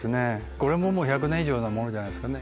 これも１００年以上じゃないですかね。